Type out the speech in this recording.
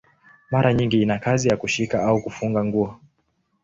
Mara nyingi ina kazi ya kushika au kufunga nguo.